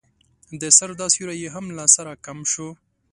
د سر دا سيوری يې هم له سره کم شو.